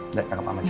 udah kakak pamit ya